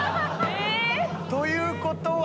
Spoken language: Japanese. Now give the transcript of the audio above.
ということは。